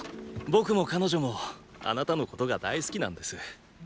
僕も彼女もあなたのことが大好きなんです。？